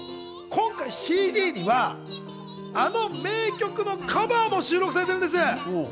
今回ＣＤには、あの名曲のカバーも収録されてるんです。